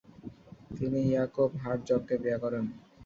তিনি ইয়াকভ হারজগকে বিয়ে করেন।